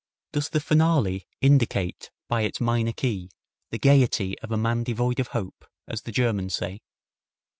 Does the finale indicate by its minor key the gayety of a man devoid of hope as the Germans say?"